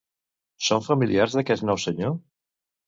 Són familiars d'aquest nou senyor?